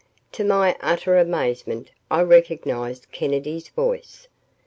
To my utter amazement, I recognized Kennedy's voice.